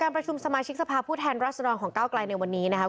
ประชุมสมาชิกสภาพผู้แทนรัศดรของก้าวไกลในวันนี้นะครับ